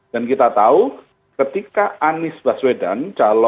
dan kita tahu ketika anies baswedan